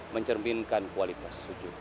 mencerminkan kualitas sujud